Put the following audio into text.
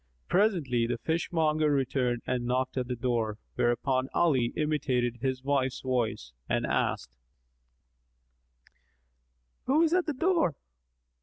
Presently, the fishmonger returned and knocked at the door, whereupon Ali imitated his wife's voice and asked, "Who is at the door?"